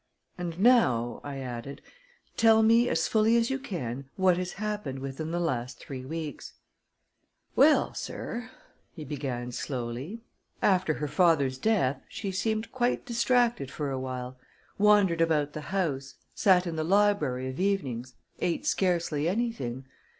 "And now," I added, "tell me, as fully as you can, what has happened within the last three weeks." "Well, sir," he began slowly, "after her father's death, she seemed quite distracted for a while wandered about the house, sat in the library of evenings, ate scarcely anything.